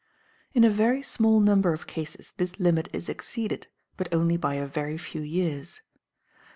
In a very small number of cases this limit is exceeded, but only by a very few years.